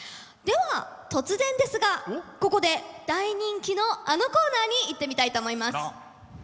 では突然ですがここで大人気のあのコーナーにいってみたいと思います。